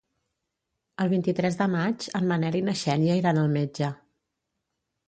El vint-i-tres de maig en Manel i na Xènia iran al metge.